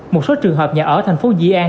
một số trường hợp nhà ở thành phố di an